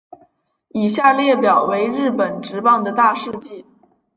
以下列表为日本职棒的大事纪。